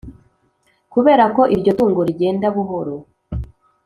kubera ko iryo tungo rigenda buhoro